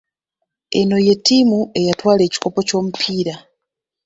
Eno ye ttiimu eyatwala ekikopo ky'omupiira.